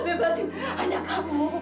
benar mama tidak mau